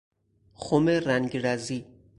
خم رنگرزی